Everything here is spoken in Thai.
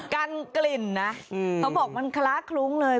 กันกลิ่นนะเขาบอกมันคล้าคลุ้งเลย